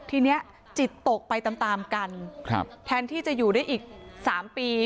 ทีนี้จิตตกไปตามตามกันแทนที่จะอยู่ได้อีก๓ปี